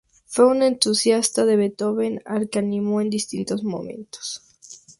Fue un entusiasta de Beethoven, al que animó en distintos momentos.